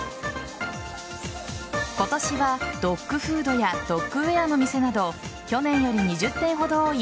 今年はドッグフードやドッグウエアの店など去年より２０店ほど多い